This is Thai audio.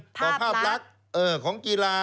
ภาพลักษณ์ต่อภาพลักษณ์ของกีฬา